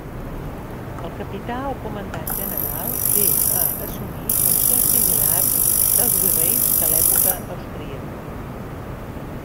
El capità o comandant general ve a assumir funcions similars dels virreis de l'època austríaca.